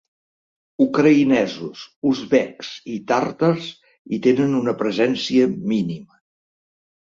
Ucraïnesos, uzbeks i tàrtars hi tenen una presència mínima.